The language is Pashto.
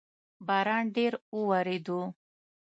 باران ډیر اووریدو